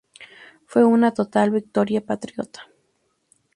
Fue una total victoria patriota.